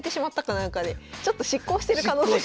なんかでちょっと失効してる可能性が。